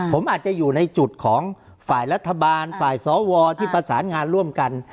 ผมอาจจะอยู่ในจุดของฝ่ายรัฐบาลฝ่ายสวที่ประสานงานร่วมกัน